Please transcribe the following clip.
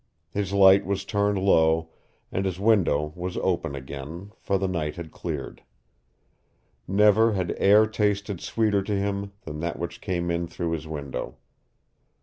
His light was turned low, and his window was open again, for the night had cleared. Never had air tasted sweeter to him than that which came in through his window.